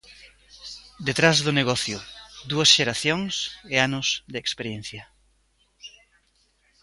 Detrás do negocio, dúas xeracións e anos de experiencia.